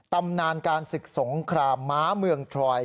ตำนานการศึกสงครามม้าเมืองทรอย